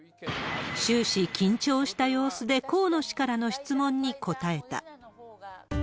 終始緊張した様子で河野氏からの質問に答えた。